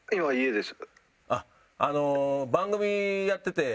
あの番組やってて。